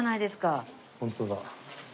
ホントだ。